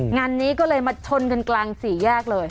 งานนี้ก็เลยมาชนกันกลางสี่แยกเลย